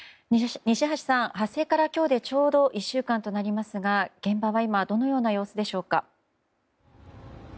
西橋さん、発生から今日でちょうど１週間となりますが現場は今どのような様子ですか。